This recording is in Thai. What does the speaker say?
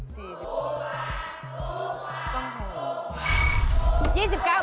ถูกกว่า